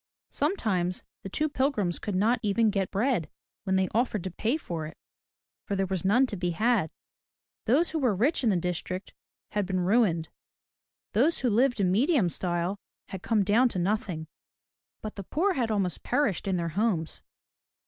Sometimes the two pilgrims could not even get bread when they offered to pay for it, for there was none to be had. Those who were rich in the district had been ruined; those who lived in medium style had come down to nothing; but the poor had almost perished in their homes.